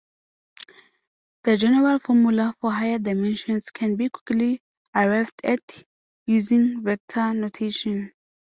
The general formula for higher dimensions can be quickly arrived at using vector notation.